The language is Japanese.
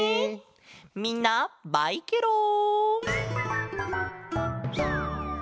みんなバイケロン！